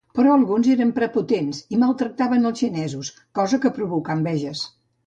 Però alguns eren prepotents i maltractaven als xinesos, cosa que provocà enveges.